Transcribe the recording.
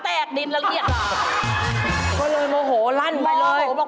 แตกมาดินแล้วเรียก